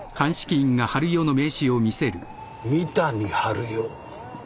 三谷治代。